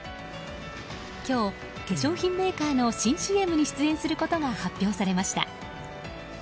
今日、化粧品メーカーの新ＣＭに出演することが発表されました。